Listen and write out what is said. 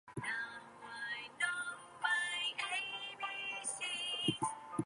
Because both gametes look alike, they cannot be classified as "male" or "female.